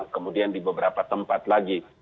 kemudian di beberapa tempat lagi